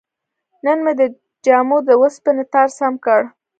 نن مې د جامو د وسپنې تار سم کړ.